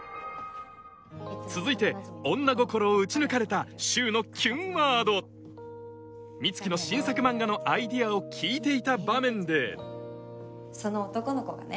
続いて女心を撃ち抜かれた柊のキュンワード美月の新作漫画のアイデアを聞いていた場面でその男の子がね